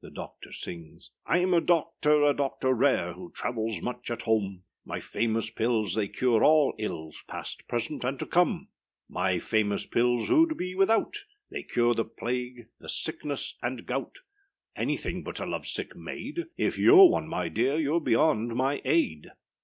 The DOCTOR _sings_â Iâm a doctor, a doctor rare, Who travels much at home; My famous pills they cure all ills, Past, present, and to come. My famous pills whoâd be without, They cure the plague, the sickness and gout, Anything but a love sick maid; If youâre one, my dear, youâre beyond my aid!